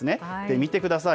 見てください。